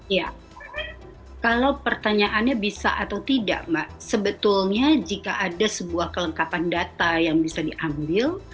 iya kalau pertanyaannya bisa atau tidak mbak sebetulnya jika ada sebuah kelengkapan data yang bisa diambil